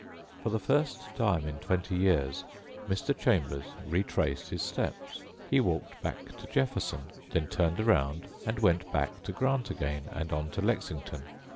For the first time in twenty years, Mr. Chambers retraced his steps. He walked back to Jefferson, then turned around and went back to Grant again and on to Lexington.